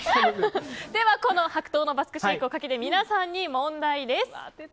ではこの白桃のバスクシェイクをかけて皆さんに問題です。